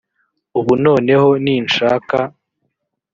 ubu noneho ninshaka